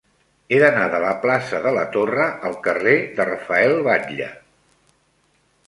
He d'anar de la plaça de la Torre al carrer de Rafael Batlle.